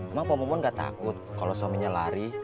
emang pak momon nggak takut kalau suaminya lari